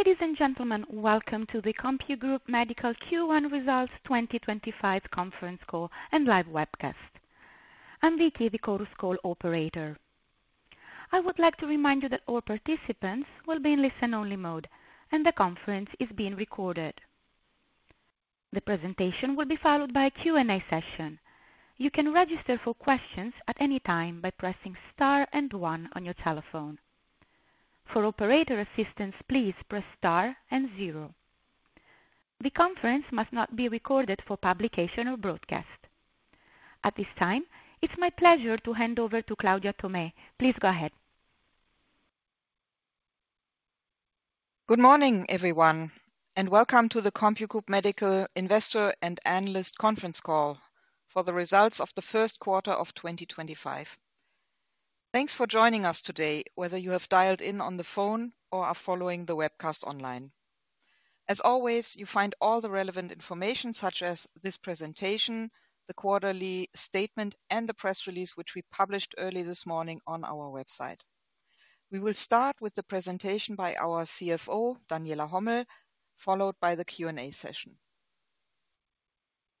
Ladies and gentlemen, welcome to the CompuGroup Medical Q1 Results 2025 conference call and live webcast. I'm Vicky, the Chorus Call operator. I would like to remind you that all participants will be in listen-only mode, and the conference is being recorded. The presentation will be followed by a Q&A session. You can register for questions at any time by pressing star and one on your telephone. For operator assistance, please press star and zero. The conference must not be recorded for publication or broadcast. At this time, it's my pleasure to hand over to Claudia Thomé. Please go ahead. Good morning, everyone, and welcome to the CompuGroup Medical Investor and Analyst Conference Call for the results of the first quarter of 2025. Thanks for joining us today, whether you have dialed in on the phone or are following the webcast online. As always, you find all the relevant information, such as this presentation, the quarterly statement, and the press release which we published early this morning on our website. We will start with the presentation by our CFO, Daniela Hommel, followed by the Q&A session.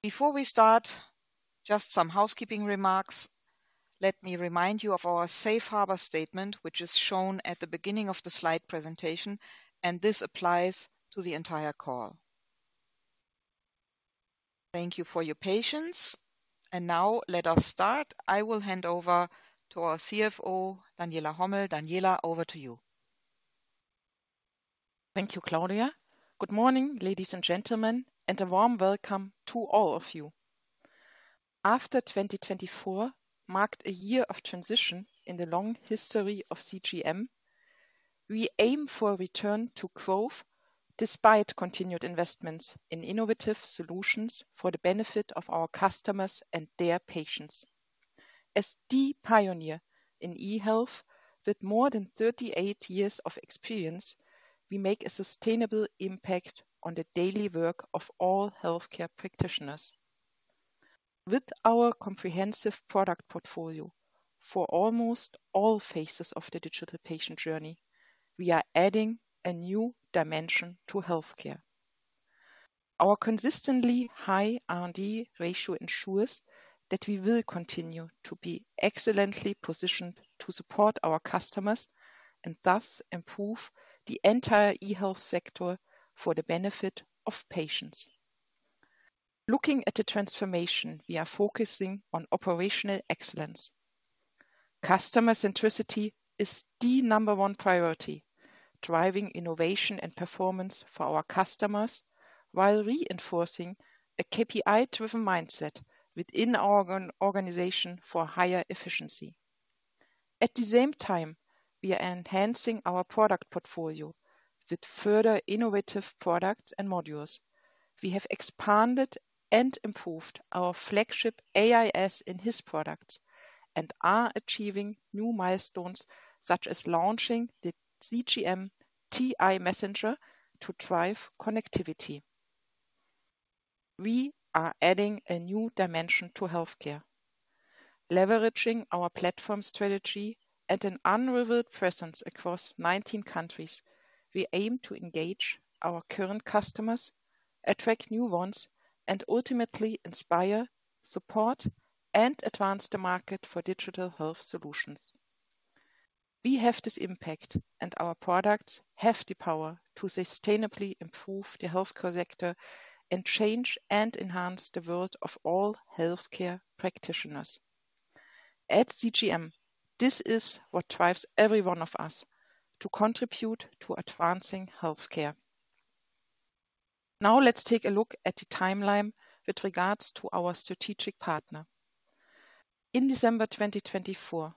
Before we start, just some housekeeping remarks. Let me remind you of our Safe Harbor Statement, which is shown at the beginning of the slide presentation, and this applies to the entire call. Thank you for your patience. Now, let us start. I will hand over to our CFO, Daniela Hommel. Daniela, over to you. Thank you, Claudia. Good morning, ladies and gentlemen, and a warm welcome to all of you. After 2024 marked a year of transition in the long history of CGM, we aim for a return to growth despite continued investments in innovative solutions for the benefit of our customers and their patients. As the pioneer in e-health, with more than 38 years of experience, we make a sustainable impact on the daily work of all healthcare practitioners. With our comprehensive product portfolio for almost all phases of the digital patient journey, we are adding a new dimension to healthcare. Our consistently high R&D ratio ensures that we will continue to be excellently positioned to support our customers and thus improve the entire e-health sector for the benefit of patients. Looking at the transformation, we are focusing on operational excellence. Customer centricity is the number one priority, driving innovation and performance for our customers while reinforcing a KPI-driven mindset within our organization for higher efficiency. At the same time, we are enhancing our product portfolio with further innovative products and modules. We have expanded and improved our flagship AIS and HIS products and are achieving new milestones such as launching the CGM TI-Messenger to drive connectivity. We are adding a new dimension to healthcare. Leveraging our platform strategy and an unrivaled presence across 19 countries, we aim to engage our current customers, attract new ones, and ultimately inspire, support, and advance the market for digital health solutions. We have this impact, and our products have the power to sustainably improve the healthcare sector and change and enhance the world of all healthcare practitioners. At CGM, this is what drives every one of us to contribute to advancing healthcare. Now, let's take a look at the timeline with regards to our strategic partner. In December 2024,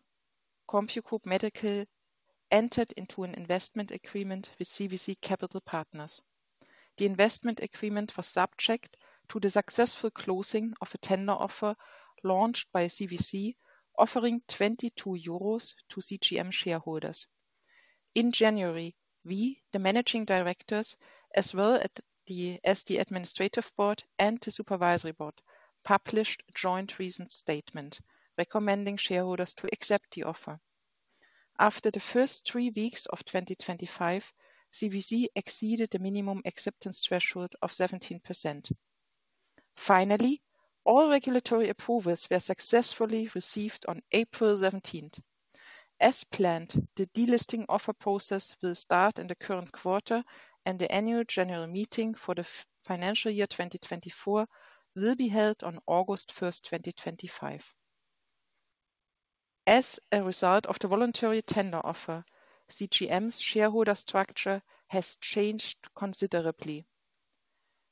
CompuGroup Medical entered into an investment agreement with CVC Capital Partners. The investment agreement was subject to the successful closing of a tender offer launched by CVC, offering 22 euros to CGM shareholders. In January, we, the Managing Directors, as well as the Administrative Board and the Supervisory Board, published a joint reason statement recommending shareholders to accept the offer. After the first three weeks of 2025, CVC exceeded the minimum acceptance threshold of 17%. Finally, all regulatory approvals were successfully received on April 17th. As planned, the delisting offer process will start in the current quarter, and the annual general meeting for the financial year 2024 will be held on August 1st, 2025. As a result of the voluntary tender offer, CGM's shareholder structure has changed considerably.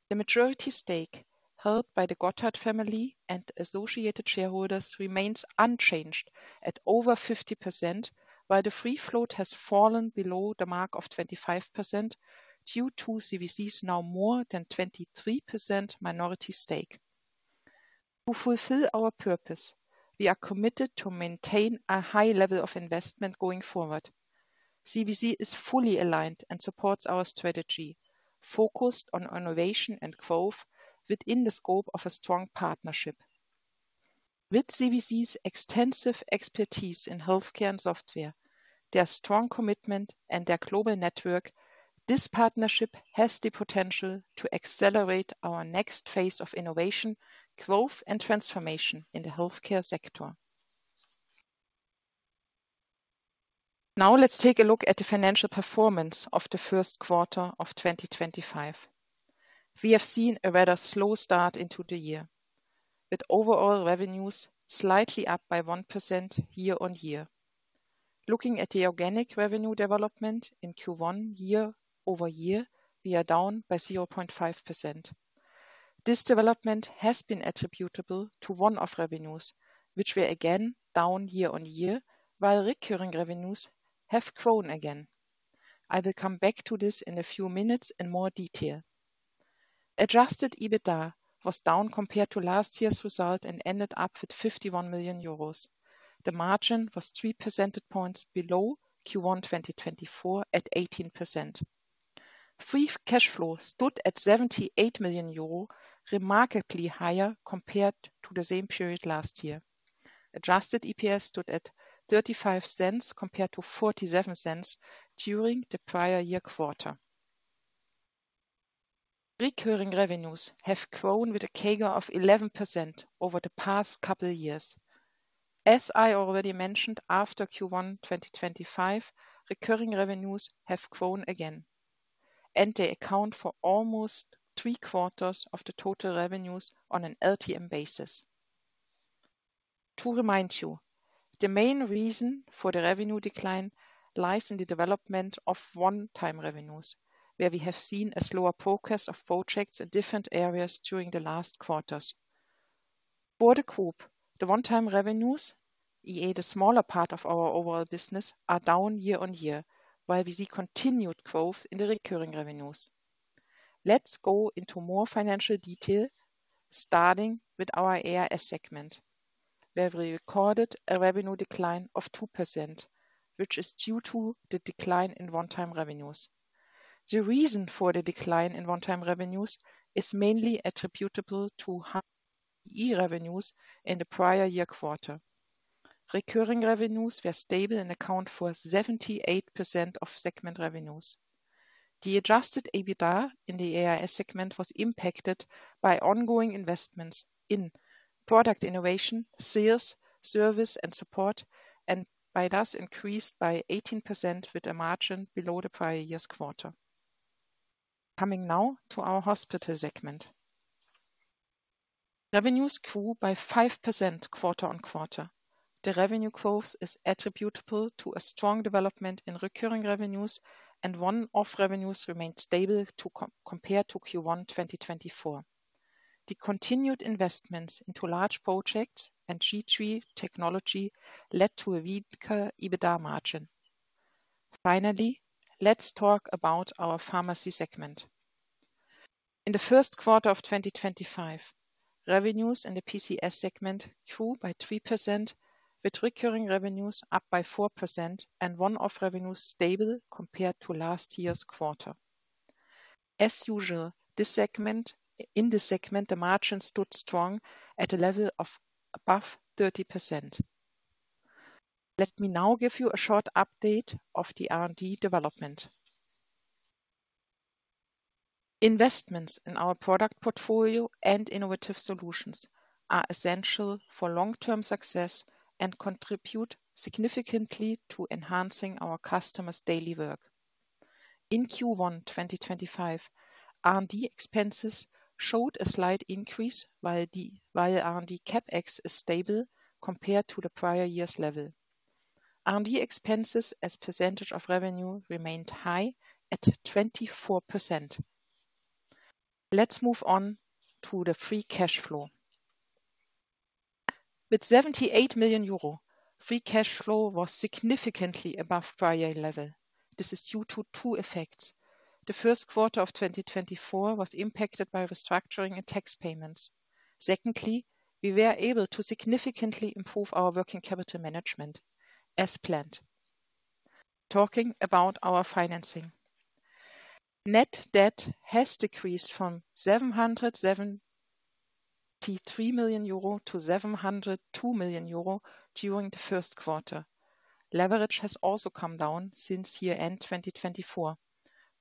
The majority stake held by the Gotthardt family and associated shareholders remains unchanged at over 50%, while the free float has fallen below the mark of 25% due to CVC's now more than 23% minority stake. To fulfill our purpose, we are committed to maintain a high level of investment going forward. CVC is fully aligned and supports our strategy, focused on innovation and growth within the scope of a strong partnership. With CVC's extensive expertise in healthcare and software, their strong commitment, and their global network, this partnership has the potential to accelerate our next phase of innovation, growth, and transformation in the healthcare sector. Now, let's take a look at the financial performance of the first quarter of 2025. We have seen a rather slow start into the year, with overall revenues slightly up by 1% year on year. Looking at the organic revenue development in Q1 year over year, we are down by 0.5%. This development has been attributable to one-off revenues, which were again down year on year, while recurring revenues have grown again. I will come back to this in a few minutes in more detail. Adjusted EBITDA was down compared to last year's result and ended up with 51 million euros. The margin was 3 percentage points below Q1 2024 at 18%. Free cash flow stood at 78 million euro, remarkably higher compared to the same period last year. Adjusted EPS stood at EUR 0.35 compared to 0.47 during the prior year quarter. Recurring revenues have grown with a CAGR of 11% over the past couple of years. As I already mentioned, after Q1 2025, recurring revenues have grown again, and they account for almost three quarters of the total revenues on an LTM basis. To remind you, the main reason for the revenue decline lies in the development of one-time revenues, where we have seen a slower progress of projects in different areas during the last quarters. For the group, the one-time revenues, i.e., the smaller part of our overall business, are down year on year, while we see continued growth in the recurring revenues. Let's go into more financial detail, starting with our AIS segment, where we recorded a revenue decline of 2%, which is due to the decline in one-time revenues. The reason for the decline in one-time revenues is mainly attributable to high TI revenues in the prior year quarter. Recurring revenues were stable and account for 78% of segment revenues. The adjusted EBITDA in the AIS segment was impacted by ongoing investments in product innovation, sales, service, and support, and by this increased by 18% with a margin below the prior year's quarter. Coming now to our hospital segment. Revenues grew by 5% quarter on quarter. The revenue growth is attributable to a strong development in recurring revenues, and one-off revenues remained stable compared to Q1 2024. The continued investments into large projects and G3 technology led to a weaker EBITDA margin. Finally, let's talk about our pharmacy segment. In the first quarter of 2025, revenues in the PCS segment grew by 3%, with recurring revenues up by 4% and one-off revenues stable compared to last year's quarter. As usual, in this segment, the margin stood strong at a level of above 30%. Let me now give you a short update of the R&D development. Investments in our product portfolio and innovative solutions are essential for long-term success and contribute significantly to enhancing our customers' daily work. In Q1 2025, R&D expenses showed a slight increase, while R&D CapEx is stable compared to the prior year's level. R&D expenses as percentage of revenue remained high at 24%. Let's move on to the free cash flow. With 78 million euro, free cash flow was significantly above prior year level. This is due to two effects. The first quarter of 2024 was impacted by restructuring and tax payments. Secondly, we were able to significantly improve our working capital management as planned. Talking about our financing, net debt has decreased from 773 million euro to 702 million euro during the first quarter. Leverage has also come down since year-end 2024,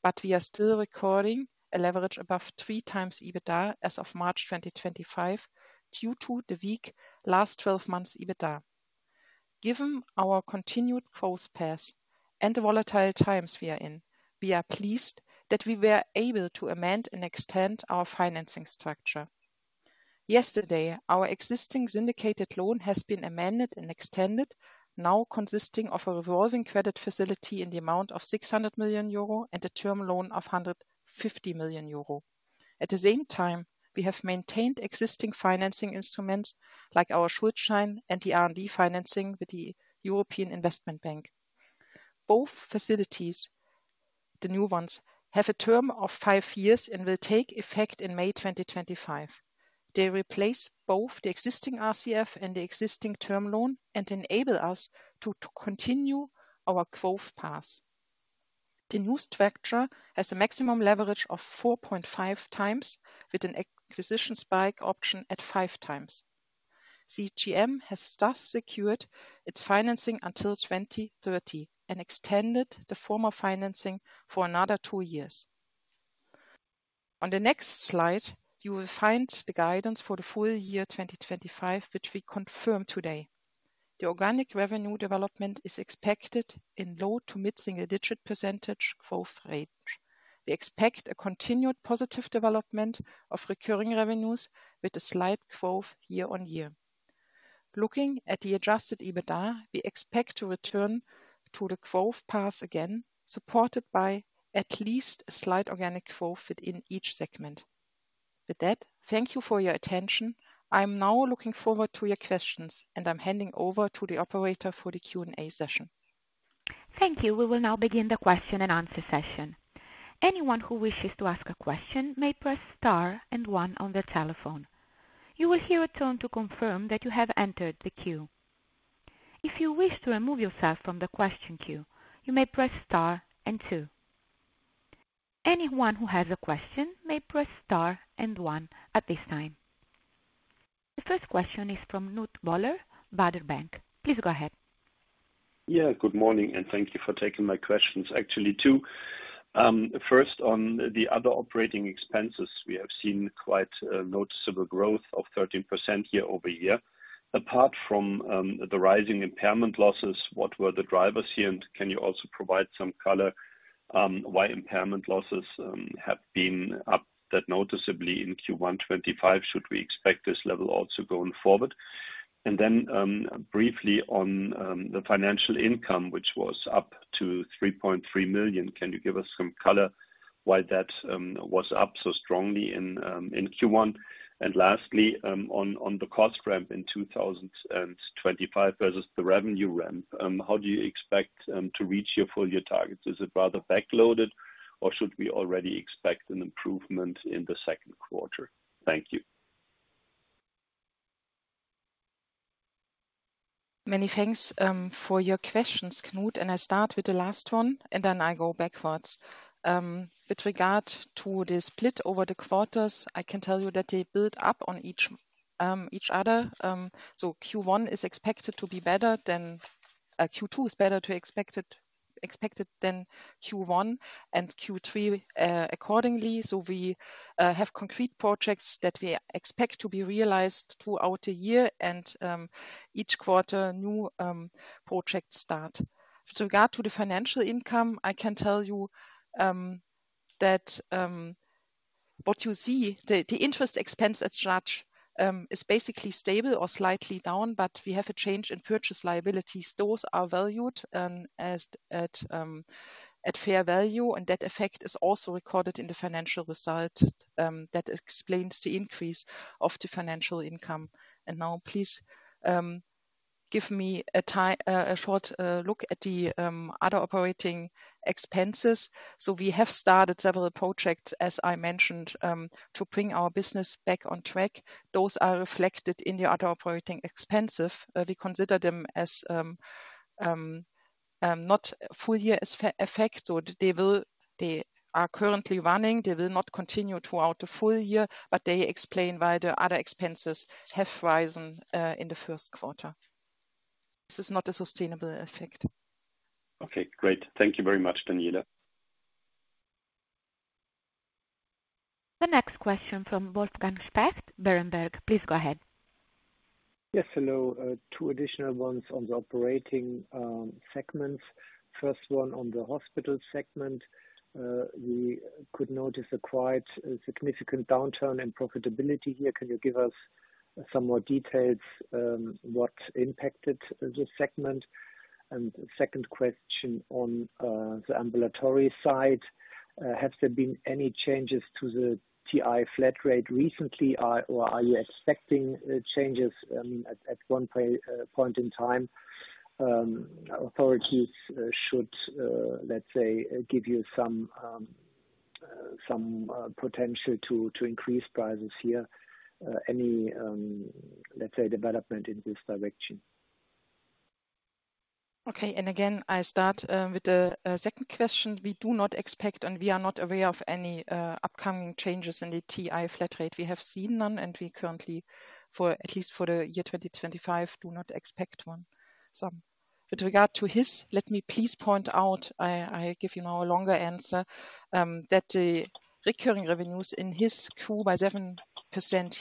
but we are still recording a leverage above three times EBITDA as of March 2025 due to the weak last 12 months EBITDA. Given our continued growth path and the volatile times we are in, we are pleased that we were able to amend and extend our financing structure. Yesterday, our existing syndicated loan has been amended and extended, now consisting of a revolving credit facility in the amount of 600 million euro and a term loan of 150 million euro. At the same time, we have maintained existing financing instruments like our Schuldschein and the R&D financing with the European Investment Bank. Both facilities, the new ones, have a term of five years and will take effect in May 2025. They replace both the existing RCF and the existing term loan and enable us to continue our growth path. The new structure has a maximum leverage of 4.5 times with an acquisition spike option at 5 times. CGM has thus secured its financing until 2030 and extended the former financing for another two years. On the next slide, you will find the guidance for the full year 2025, which we confirm today. The organic revenue development is expected in low to mid-single-digit % growth range. We expect a continued positive development of recurring revenues with a slight growth year on year. Looking at the adjusted EBITDA, we expect to return to the growth path again, supported by at least a slight organic growth within each segment. With that, thank you for your attention. I'm now looking forward to your questions, and I'm handing over to the operator for the Q&A session. Thank you. We will now begin the question and answer session. Anyone who wishes to ask a question may press star and one on the telephone. You will hear a tone to confirm that you have entered the queue. If you wish to remove yourself from the question queue, you may press star and two. Anyone who has a question may press star and one at this time. The first question is from Knut Woller, Baader Bank. Please go ahead. Yeah, good morning, and thank you for taking my questions. Actually, two. First, on the other operating expenses, we have seen quite a noticeable growth of 13% year over year. Apart from the rising impairment losses, what were the drivers here? Can you also provide some color why impairment losses have been up that noticeably in Q1 2025? Should we expect this level also going forward? Briefly on the financial income, which was up to 3.3 million. Can you give us some color why that was up so strongly in Q1? Lastly, on the cost ramp in 2025 versus the revenue ramp, how do you expect to reach your full year targets? Is it rather backloaded, or should we already expect an improvement in the second quarter? Thank you. Many thanks for your questions, Knut, and I'll start with the last one, and then I'll go backwards. With regard to the split over the quarters, I can tell you that they build up on each other. Q1 is expected to be better than Q2 is better expected than Q1 and Q3 accordingly. We have concrete projects that we expect to be realized throughout the year, and each quarter new projects start. With regard to the financial income, I can tell you that what you see, the interest expense at such is basically stable or slightly down, but we have a change in purchase liabilities. Those are valued at fair value, and that effect is also recorded in the financial result that explains the increase of the financial income. Now, please give me a short look at the other operating expenses. We have started several projects, as I mentioned, to bring our business back on track. Those are reflected in the other operating expenses. We consider them as not full year effect, so they are currently running. They will not continue throughout the full year, but they explain why the other expenses have risen in the first quarter. This is not a sustainable effect. Okay, great. Thank you very much, Daniela. The next question from Wolfgang Specht, Berenberg. Please go ahead. Yes, hello. Two additional ones on the operating segments. First one on the hospital segment. We could notice a quite significant downturn in profitability here. Can you give us some more details on what impacted the segment? Second question on the ambulatory side. Have there been any changes to the TI flat rate recently, or are you expecting changes at one point in time? Authorities should, let's say, give you some potential to increase prices here. Any, let's say, development in this direction? Okay, I start with the second question. We do not expect and we are not aware of any upcoming changes in the TI flat rate. We have seen none, and we currently, at least for the year 2025, do not expect one. With regard to HIS, let me please point out, I'll give you now a longer answer, that the recurring revenues in HIS grew by 7%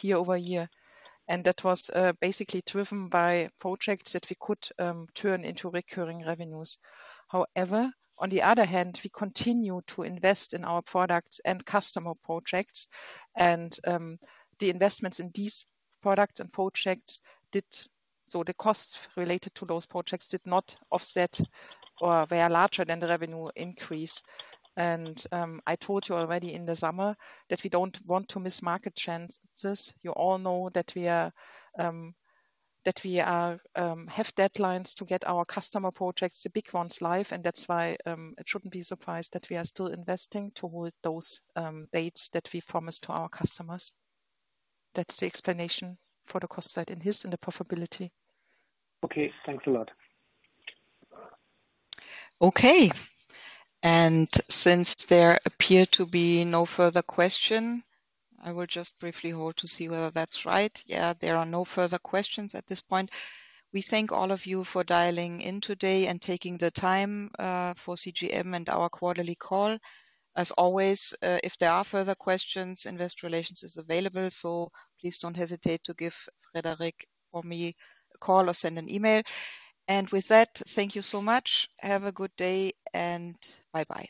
year over year, and that was basically driven by projects that we could turn into recurring revenues. However, on the other hand, we continue to invest in our products and customer projects, and the investments in these products and projects did, so the costs related to those projects did not offset or were larger than the revenue increase. I told you already in the summer that we don't want to miss market chances. You all know that we have deadlines to get our customer projects, the big ones, live, and that's why it shouldn't be a surprise that we are still investing to hold those dates that we promised to our customers. That's the explanation for the cost side in HIS and the profitability. Okay, thanks a lot. Okay, since there appear to be no further questions, I will just briefly hold to see whether that's right. Yeah, there are no further questions at this point. We thank all of you for dialing in today and taking the time for CGM and our quarterly call. As always, if there are further questions, Investor Relations is available, so please don't hesitate to give Frederic or me a call or send an email. With that, thank you so much. Have a good day and bye-bye.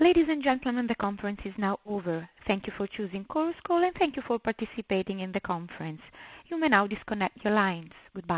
Ladies and gentlemen, the conference is now over. Thank you for choosing Chorus Call and thank you for participating in the conference. You may now disconnect your lines. Good.